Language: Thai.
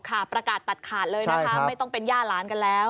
ประกาศตัดขาดเลยนะคะไม่ต้องเป็นย่าหลานกันแล้ว